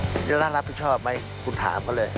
นี่ร่านรับผิดชอบไหมคุณถามเขาเลย